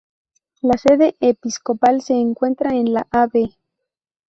La sede episcopal se encuentra en la Av.